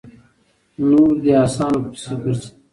نور دې اسانو پسې ګرځي؛